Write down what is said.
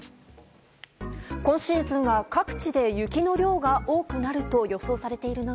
今シーズンは各地で雪の量が多くなると予想されている中